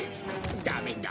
ダメだ。